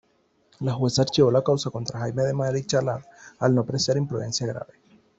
La jueza archivó la causa contra Jaime de Marichalar, al no apreciar imprudencia grave.